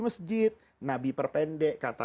masjid nabi perpendek kata